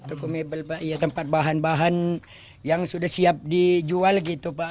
toko mebel pak ya tempat bahan bahan yang sudah siap dijual gitu pak